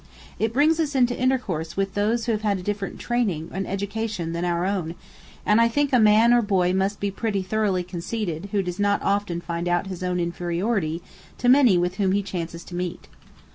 It brings us into intercourse with those who have had a different training and education than our own; and I think a man or boy must be pretty thoroughly conceited who does not often find out his own inferiority to many with whom he chances to meet.